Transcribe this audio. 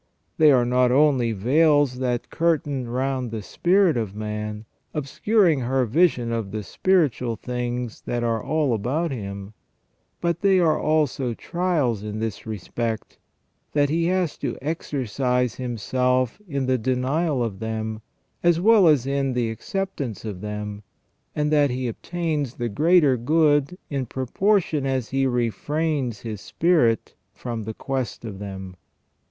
They are not only veils that curtain round the spirit of man, obscuring his vision of the spiritual things that are all about him ; but they are also trials in this respect, that he has to exercise himself in the denial of them as well as in the acceptance of them, and that he obtains the greater good in proportion as he refrains his spirit from the quest of them.